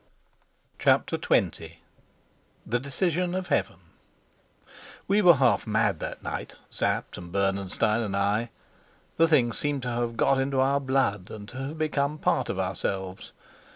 CHAPTER XX. THE DECISION OF HEAVEN WE were half mad that night, Sapt and Bernenstein and I. The thing seemed to have got into our blood and to have become part of ourselves.